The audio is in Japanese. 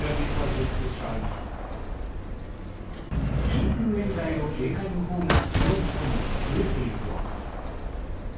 インフルエンザへの警戒のほうが強い人も増えているようです。